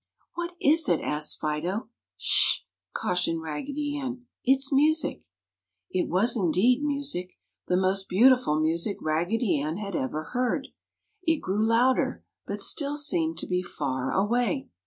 "What is it?" asked Fido. "Sh!" cautioned Raggedy Ann, "It's music." It was indeed music, the most beautiful music Raggedy Ann had ever heard. It grew louder, but still seemed to be far away.